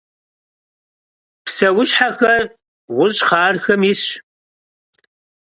Псэущхьэхэр гъущӏхъархэм исщ.